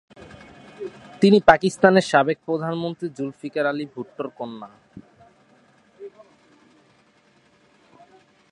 তিনি পাকিস্তানের সাবেক প্রধানমন্ত্রী জুলফিকার আলী ভুট্টোর কন্যা।